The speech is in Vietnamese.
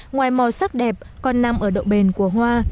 ngoài màu sắc đẹp còn nằm ở độ bền của hoa